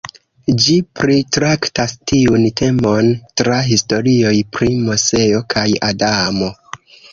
Ĝi pritraktas tiun temon tra historioj pri Moseo kaj Adamo.